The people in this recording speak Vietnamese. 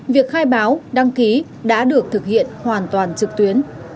việc khai báo đăng ký đã được thực hiện hoàn toàn trực tuyến